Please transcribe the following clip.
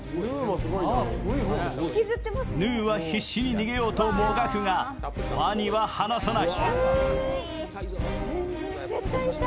ヌーは必死に逃げようともがくがわには離さない。